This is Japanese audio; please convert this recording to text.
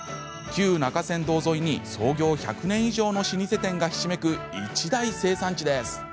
旧中山道沿いに創業１００年以上の老舗店がひしめく、一大生産地です。